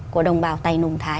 của đồng bào tài nùng thái